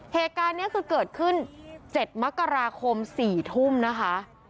เหตุการณ์นี้คือเกิดขึ้น๗มกราคม๔ทุ่มนะคะ